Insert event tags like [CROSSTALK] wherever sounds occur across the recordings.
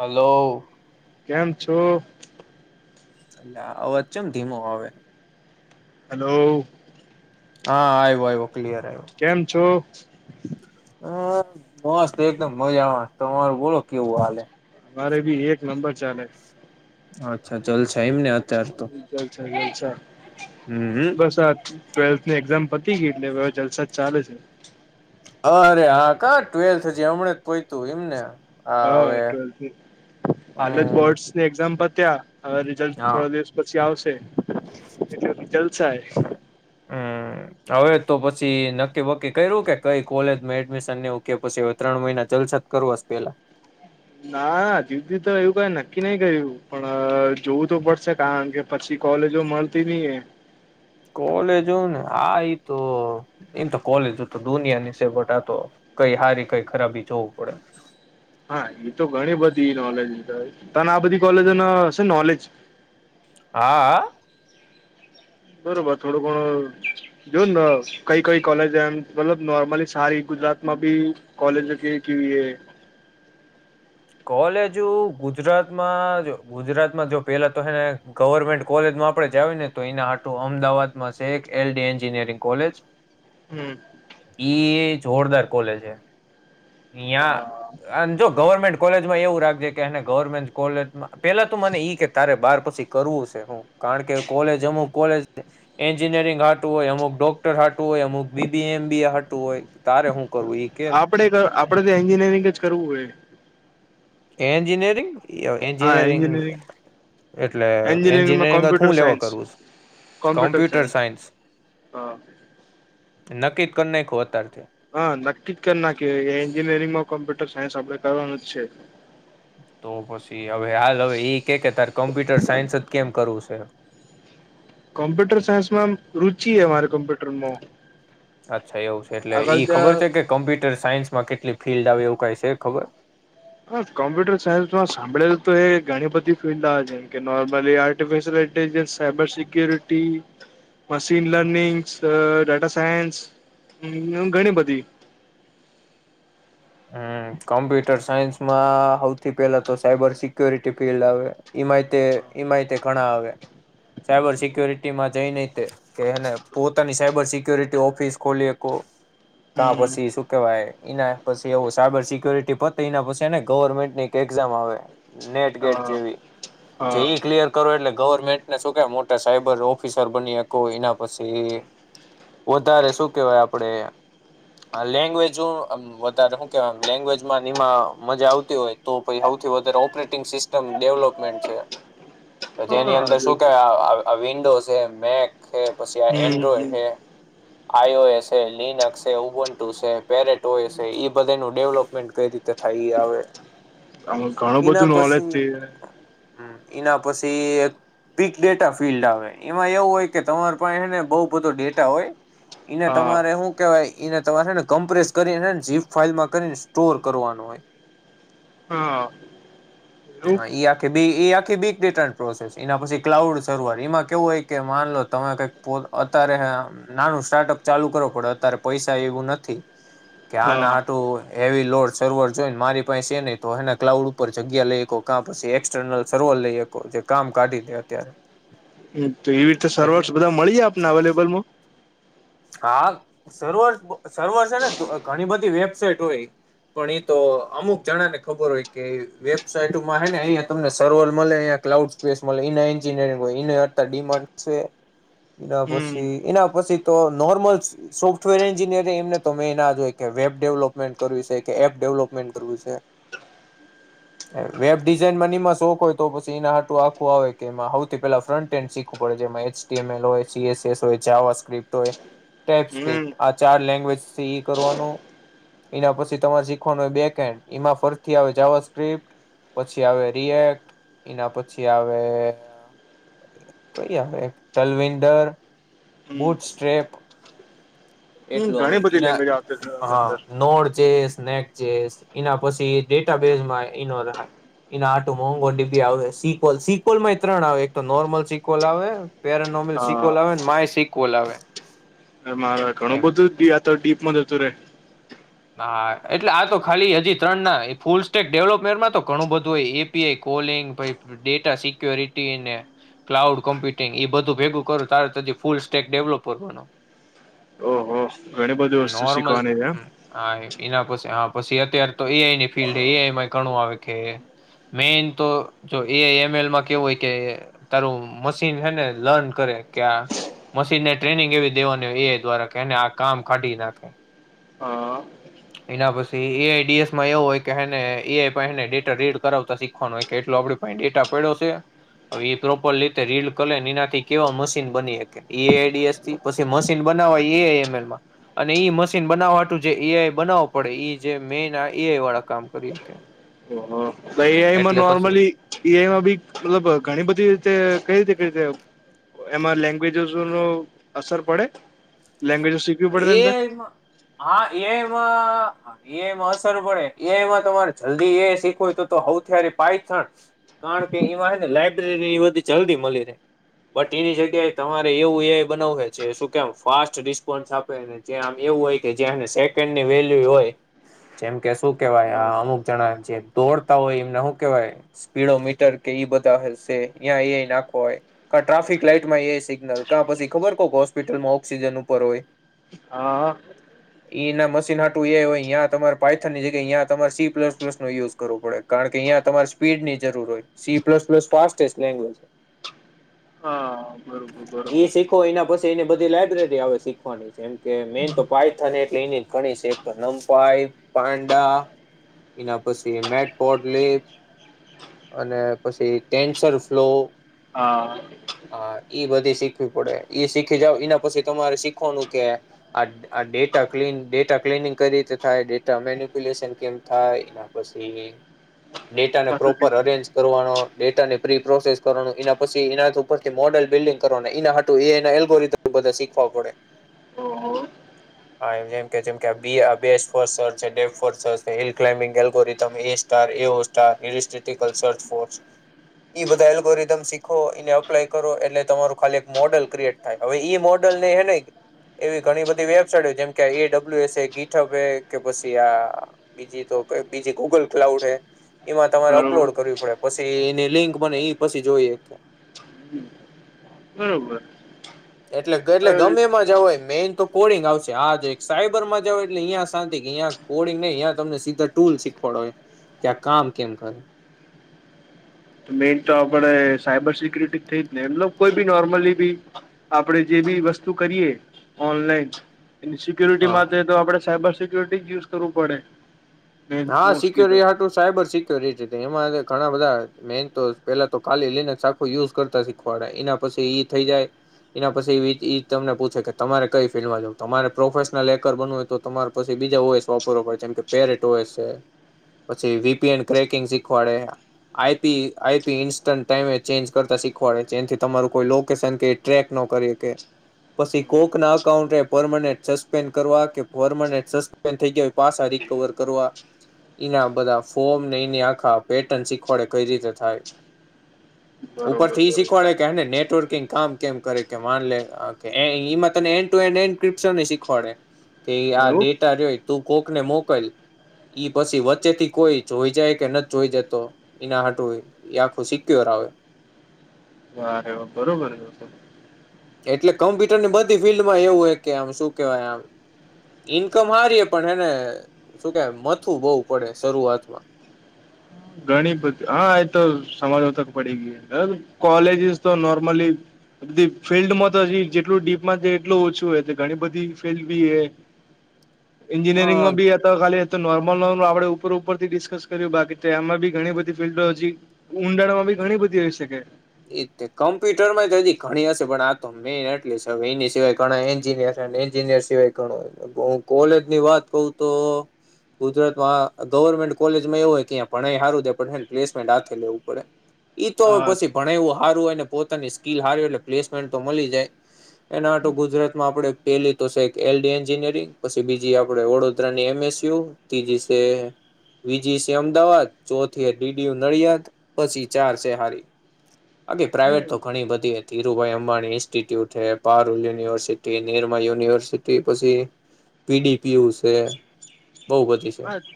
Hello કેમ છો અ અવાજચમ ધીમો આવે હેલો હા આવ્યો આવ કેમ છો હમ મસ્ત એકદમ મજામાં તમારું બોલો કેવું હાલે મારે ભી એક નંબર ચાલે અચ્છા ચાલ છે એમ ને જલ છે જલ છે હમ હમ. બસ આ ટ્વેલ્થની એક્ઝામ પતી ગઈ એટલે જલસાજ ચાલે છે હા અરે હા કા ટ્વેલ્થ હજી હમણાં જ પોય તું એમને હા ટ્વેલ્થની હાલ જ હમ બોર્ડસ ની એક્ઝામ પર ત્યા હવે રિઝલ્ટ હા થોડા દિવસ પછી આવશે એટલે રઝલ્ટ થાય હમ હવે તો પછી નક્કીબકી કર્યું કે કઈ કોલેજમાં એડમિશન નેવું કે પછી હવે ત્ર મહિના ચ શત્કર વસ્ પેલા હમ ના જુધદી તો એવું કઈ નક્કી નહી કર્યું પણ જોવું તો પડશે કારણ કે પછી કોલેજો મળતી નહી એ કોલેજ હો ને હા ઈ તો એમ તો કોલેજ તો દુનિયા ની સેબટ આતો કઈ સારી કઈ ખરાબી જોવું પડે હા એ તો ઘણી બધી નોલેજ ત આ બધી કોલેજો ન હશે નોલેજ હા હ બરોબર થોડું ઘણ જો ને કઈ કઈ કોલેજ એમ મતલબ નોર્મલી સારી ગુજરાત માં બી કોલેજ કે એ કોલેજ ગુજરાતમાં જો ગુજરાતમાં જો પેલા તો હેને ગવર્મેન્ટ કોલેજમાં જ ને તો એના આટું અમદાવાદમાં છે એક એલડી એન્જિનિયરિંગ કોલેજ હમ્મ. ઈ જોરદાર કોલેજ હ ્યાં જો ગવર્મેન્ટ કોલેજમાં એવું રાખજે કે એને ગવર્મેન્ટ કોલેજમાં પેલા તો મને ઈ કે તારે બાર પછી કરવું છે હું કારણ કે કોલેજ અમુક કો એન્જિનિયરિંગું હોય અમુક ડોક્ટર હટું હોય અમુક બીબી એમ બી એટું હોય તારે હું કરવું ઈ કે આપડે આપડે તો એન્જિનિયરિંગ જ કરવું હોય એન્જિનીિયરિંગ હા એન્જિનીિયરિંગ એન્જિનિયરિંગ એટલે એન્જિનિયરિંગમાં એન્જિનિયરિંગ જ હું કોમ્પ્યુટર લેવો સાયન્સ કરું છ, કોમ્પ્યુટર સાયન્સ હા [INAUDIBLE] નકી કરી નાખું અતાર હા, નક્કી જ કરી નાખી એન્જિનિયરિંગ માં કોમ્પ્યુટર સાયન્સ આપડે કરવાનું જ છે. તો પછી હવે હાલ હવે એ કે કે તારે કોમ્પ્યુટર સાયન્સ જ કેમ કરવુ સ? [UNINTELLIGIBLE] કમ્પ્યુટર સાયન્સમાં રુચિ હ અમા કોમ્પ્યુટરમાં, અચ્છા એવું છે, એટલે આગળ ઈ ખબર જા છે, કે કમ્પ્યુટર સાયન્સમાં કેટલી ફિલ્ડ આવે એવું ક છે, ખબર [UNINTELLIGIBLE] કોમ્પ્યુટર સાયન્સમાં સાંભળેલ તો એ ઘણી બધી ફિલ્ડ આવે છેમ કે નોર્મલી આર્ટિફિશયલ જે cyber security machine learnings data science ઘણી બધી, [INAUDIBLE] હમ્મ કોમ્પ્યુટર સાયન્સમાં સૌથી પેલા તો સાયબર સિક્યોરિટી ફિલ્ડ આવે, એમાય ઘણા હવે સાયબર સિક્યોરિટીમાં જઈને તે કે એને પોતાની સાયબર સિક્યોરિટી ઓફિસ ખોલીકો કા હમ પછી શું કેવાય એના પછી એવું સાયબર સિક્યોરિટી પો એના પછી ને ગવર્મેન્ટની એક એક્ઝામ આવે, નેટ ગેટ હા જેવી હા જે ઈ ક્લિયર કરો એટલે ગવર્મેન્ટને શું ક મોટા સાયબર ઓફિસર બની એના પછી વધારે શું કેવાય આપડે લેંગ્વેજ કે લેંગ્વેજમાં એમાં મજા આવતી હોય તો સૌથી વધારે ઓપરેટિંગ સિસ્ટમ ડેવલપમેન્ટ છે, જેની અંદર હા શું કેવાય વિન્ડો છે મેક હે, પછી આ હમ હમ એન્ડ્રોઈડ હે, આઈઓએસ લિન છે, ઉબોન ટુસે પેરેટોયસ ડેવલપમેન્ટ કઈ રીતે થાય આવે આમાં ઘણું એના બધું નોલેજ પછી છે હમ્મ એના પછી એક પીગ ડેટા ફિલ્ડ આવે એમાં એવું હોય કે તમાર પાસે એને બહ બધો ડેટા હોય એને હા તમારે શું કેવાય ને તમારે ને કમ્પ્રેસ કરી ને જીપ ફાાઈલમાં કરીને સ્ટોર કરવાનો હોય. હા એવું હા આખી બી એ આ બીટ પ્રોસેસ એના પછી ક્લાઉડ સર્વર એમાં કેવું હોય, કે માન લો તમે કઈક અત રહે નાનું સ્ટાર્ટઅપ ચાલુ કરવો પડે અત્યારે પૈસા એવું નથી, કે આ હા નાટું એવી લોડ સર્વર જોઈને, મારી પાસે એ નહી તો એના ક્લાઉડ ઉપર જગ્યા લઈકો ક્યા પછી એક્સટર્નલ સર્વર લઈકો, કામ કાઢી દે અત્યારે હમ્મ તો એવી રીતે એટલે સર્વર્સ બધા મળી જાય આપને અવેલેબલમાં હા, સર્વર સર્વર છે ને ઘણી બધી વેબસાાઈટ હોય. પણ એ તો અમુક જણા ને ખબર હોય, કે વેબસાાઈટમાં હ ને અહિયાયા તમને સર્વર મળે અ ક્લાઉડ સ્પેસ એના એન્જિનિયરિંગ હોય અડ એના હમ પછી એના પછી તો નોર્મલ સોફ્ટવેર એન્જિનિયર એમને તો મેન જોય કે વેબ ડેવલપમેન્ટ કરવી છે, કે એપ ડેવલપમેન્ટ કરવું છે, [INAUDIBLE] વેબ ડિઝાઇન મન એમાં શોખ હોય તો પછી એના આટું આખું આવે કેમાં સૌથી પેલા ફ્રન્ટ એન્ડ શીખવું પડે છે, જેમાં એચડીએમલ હોય, સીએસએસ હોય જાવા સ્ક્રિપ્ટ હમ ટેપ આ ચાર લેંગ્વેજથી કરવાનું, એના પછી તમારે શીખવાનું હોય બેક હન્ડ એમાં ફરથી આવે જાવ સ્ક્રિપ્ટ પછી આવે રિએક્ટ એના પછી આવે કઈ આવે ટલવન્ડર હમ બુટ સ્રેપ હમ એટલું હવે ઘણી બધી લેંગ્વેજ આવતી એના અંદર હ નોળ જે સ્નેક એના પછી ડેટા બેેઝમાં નો એનો એના આટું મોંઘો ડડીબી આવે સિકલ સિકોલમાં ત્રણ આવે એક તો નોર્મલ સિકલ આવે પેરાનોમલ સિકોલ આવે હા ને માય સિકવલ આવે મારા ઘણું એમ બધું તો ડીપમાં જતું રે હા એટલે આ તો ખાલી હજી ત્રણ ના ફૂલ સ્ટેક ડેવલોપમેન્ટમાં તો ઘણું બધું હોય API calling data security cloud computing એ બધું ભેગું કરું ત ફૂલ સ્ટેક ડેવલોપ કરવાનો ઓહ ઓહ ઘણી બધી વસ્તુ નોર્મલ શીખવાની છે એમ હા એના પછી હા પછી અત્યારે તો એઆઈની ફિલ્ડ એઆઈમાં ઘણું આવે કે મેન તો જો એ એમ એલમાં કેવું હોય કે તારું મશીન છે ને લર્ન કરે કે મશીનને ટ્રેનિંગ એવી દેવાની હો એ દ્વારા કે એને આ કામ કાઢી નાખે હા. એના પછી એઆઈડીએસમાં એવું હોય કેને એઆઈને ડેટા રીડ કરાવતા શીખવાનું હોય કે ડ પા એ ટપેડ છે હવે એ પ્રોપર રીતે રીડ કરને એનાથી કેવા મશીન બની એઆઈડીએસ થી પછી મશીન બ- - બનવા એ એ અને મશીન બનાવવાું જે- - બનાવો પડે જે મેન એ વાળા કામ કરી ત્યા- - ઓહો એઆઈમાં નોર્મલી એઆઈમાં બી મતલબ ઘણી બધી રીતે કઈ રીતે કઈ રીતે? એમાં લેંગ્વેજસ નુ અસર પડે લેંગ્વેજ શીખવી પડે ને અંદર. એઆઈમાં હા એમાં એમાં અસર પડે એમાં તમારે જલ્દી એ શીખવુંય તો- - હું ત્યારે પાયથણ કારણ કે એમાંને લાયબ્રેરી બધી જલ્દી મળી રહે. બટ એની જગ્યાએ તમારે એવું એ બનાવવે છે શું કેમ ફાસ્ટિ પણ આપે જે આમ એવું હોય કે જેને સેકન્ડની વેલ્યુ હોય. જેમ કે શું કેવાય આ અમુક જણા જે દોડતા હોય એમને શું કેવાય સ્પીડો મીટર કે એ બધા હશે્યાં એ નાખો હોય ટ્રાફિક લાઈટમાં સિગ્નલ ક પછી ખબર ક હોસ્પિટમાં ઓક્જન નું હા. એના મશીન આટું એ હોયયાં તમારે પાયથની જગ્યા અયાં તમારે સી પ્લસ પ્સ નો યુઝ કરવો પડે, કારણ કે અં તમારે સ્પીડ ની જરૂર હોય સી પ્લસ પ્લસ ફાસ્ટે લે લેન્ગવેજ હા. બરોબર એ બરોબર શીખો એના પછી એને બધી લાઈબ્રેરી આવે છે. શીખવાની છેમ કે મેન તો પાયથન એટલે એની ઘણી છે લમપાઈ પાંડા- - એના પછી મેટ પોટ લીપ- - અને પછી કેન્સર ફ્લો- - હા હા ઈ બધી શીખવી પડે ઈ શીખી જાવ એના પછી તમારે શીખ કો નો કે ડેટા ડેટા ક્નિંગ કરી રીતે થાય ડેટા મેન્યુપ્યુલેશન કે. થાય એના પછી ડેટાને પાછું પ્રોપર અરેન્જ કરવાનો ડેટાને પ્રી પ્રોસેસ કરવાનો એના પછી એના ઉપરથી મોડ બિલિંગ કરવાું એ ન એલ્ગોરિથમ એોધાીખવા પડે. [UNINTELLIGIBLE] હા એમ જેમ કે જેમ કે ફ અબે છે ડે હિલ ક્લા્બિંગ એલોગીરેથમ ગગોરી સ્ટાર- - એ વો સ્ટારક્રિસ્ટિકલ. એ બધા એલ્ગોરિધમ શીખો એને અપ્લાય કરો એટલે તમારું ખાલી એક મોડલ ક્રિએટ થાય હવે મોડલ ચનેને એવી ઘણી બધી વેબસાઇટ જેમ કે એ ડબલ્યુ એસ ગીપ એ કે પછી આ બીજી- - બીજે ગૂગલ ક્લાઉડ એમાં તમારે બરોબર અપલોડ કરવી પડે પછી એની લિંક બને એ પછી- - જોઈએ. હમ. એટલે એટલે ગમે માં જોગીએ મેન તો કોડિંગ આવશે આ જો સાયબરમાં જ એટલે અહીયા શાંતિ કે અહીયાં કોડિંગ નહીં તમને. ટુલ શીખવાડે હોય કે આ કામ કેમ કરે. મેન તો આપે સાયબર સિક્યુરિટી થઈ જ ને મલબ કોઈ બી નોર્મલી બી આપડે જે બી- - વસ્તુ કરીએ ઓનલાઈન- - એની સિક્યોરિટી હા માટે તો આપડણે સાયબર સિક્યોરિટી જ યુઝ કરવું પડે? મેન હા મોસ્ટલી સિક્યોર તો હું સાયબર સ- - ઘણા બધા મેન તો પેલા તો કાલી લનેખું યુઝ કરતા શીખવાડ એનાછ- - એ થ જાય. એના પછી તમને પૂછે કે તમારે કઈ ફિલ્ડમાં જવ તમારે પ્રોફેશનલ એકર બનવું હોય તો તમારે પછી- - બીજા હોય વાપરવા પડે છે જેમ કે પેરેટ હોય છે. પછી વીપીએન ક્રેકિંગ શીખવાડે. આઈપી આઈપી ઇન્સ્ટન્ટ ટાઈમે ચેન્જ કરતા શીખવાડે છે એથી તમારું કોઈ લોકેશન કે ટ્રેક ન- - ન કરી શકે. પછી કોક ના અકાઉન્ટ એ પરર્માનન્ટ સસ્પેન્ડ કરવા કે પર્માનન્ટ સસ્પેન્ડ થઈ ગયો પાસા રિકવર- - કરવાઆ એના બધા ફોર્મને એની આખા પેટર્ન શીખવાડે કઈ રીતે થાય ઉપર બરોબર થી ઈ બરોબર શીખવાડે કેને નેટ નેટવર્કિંગ કામ કેમ કરે કે મા લે ટ્રપ્ન શીખવાડે તે આ એવું ડેટા જોય તું કોક ને મોકલલ ઈ પછી વચ્ચે થી કોઈ જોઈ જાય કે ન જોઈ જાય તો એના હટું આખું સીખ્યું આવે વા બરોબર એટલે કમ્પ્યુટર ની બધી ફિલ્ડમાં એવું હોય કે આમ શું કેવાય આમ ઈન્કમ હારીએ પણ હને શું કે મથું બહુ પડે શરૂઆતમાં હમ ઘણી બધી હા એ તો સમાજો તક પડીે ગઈ કોલેજસ તો નોર્મલી બી ફિલ્ડમાં તો હજી જેટલું ડીપમાં છે એટલું ઓછું હો ઘણી બધી ફિલ્ડ બી એ એન્જિનિયરિંગમાં બી હતા ખાલી નોર્મલ નોર્મ આપડે ઉપર ઉપર થી ડિસ્કસ કર્યું બાકી એમાં બી ઘણી બધી ફિલ્ડો હજી ઉઊંડાણમાં બી ઘણી બધી આવીઈ શકે એ કમ્પ્યુટર માં જ હજી ઘણી હશે પણ આ તો મેઈન એટલે છે હવે એની સિવાય ઘણા એન્જિનિયર એન્જિનિયર સિવાય ગણોય હું કોલેજ ની વાત કું તો ગુજરાતમાં ગવર્મેન્ટ કોલેજમાં એવું હોય કે ભણાઈ સારુંે પણ પ્લેસમેન્ટ હાથે લેવું પડે ઈ તો હોય હા પછી ભણ એવું હારું હોયને પોતાની સ્કીિલ હાર હો એટલે પ્લેસમેન્ટ તો મળી જાય એના માટે ગુજરાતમાં આપણે પેલી તો છે એલડી એન્જિનયરિંગ પછી બીજી આપડ વડોદરાની એમ યું તીજી સ બીજી છે અમદાવાદ ચોથી ડીડીયું નડિયાદ પછી ચાર છે હારી હ બાકી પ્રાઇવેટ તો ઘણી બધી ધીરુભાઈ અંબાણી ન્સ્ટિટ્યુટ પારુલ યુનિવર્સિટી નિર યુ ુનિવર્સિટી પછી પીડીપીયુ છે બહુ બધી છે હા હ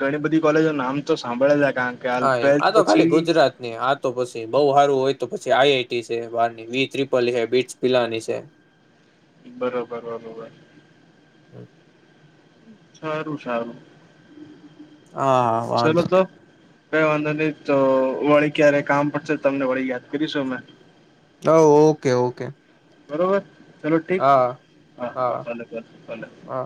ઘણી બધી કોલેજો નામ તો સાંભળે છે કણ હા એમ આ તો ખાલી ગુજરાત ની હા તો પછી બહ સારું હોય તો પછી આઈ આઈટી છે બાર વી ત્રિપલ છે બીટસ પિલાની છે બરોબર બરોબર સારું સારું હા ચલો વાંધો તો કઈ વાંધો નહી તો વળી ક્યારે કામ પડશે તમને વળી યાદ કરીશું અમે હા ઓકે ઓકે ચાલલો ઠીક હા હા હા ભલે ભલે ભલે હા